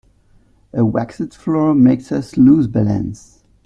A waxed floor makes us lose balance.